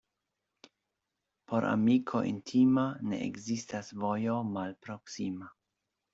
Por amiko intima ne ekzistas vojo malproksima.